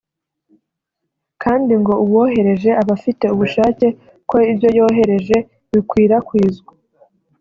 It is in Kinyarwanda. kandi ngo uwohereje aba afite ubushake ko ibyo yohereje bikwirakwizwa